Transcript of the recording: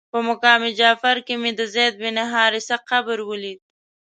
په مقام جعفر کې مې د زید بن حارثه قبر ولید.